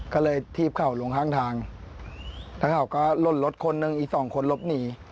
ก็เลยทีบเขาลงทางแล้วเขาก็ลดรถคนหนึ่งอีก๒คนลบหนี